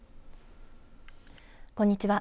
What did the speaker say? こんにちは。